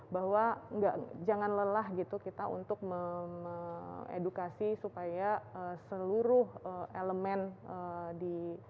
bahwa jangan lelah gitu kita untuk mengedukasi supaya seluruh elemen di